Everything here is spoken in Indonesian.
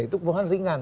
itu hubungan ringan